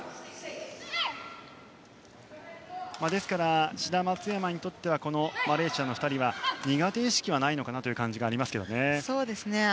ですから志田、松山にとってはマレーシアの２人は苦手意識はないのかなという感じはありますけどね。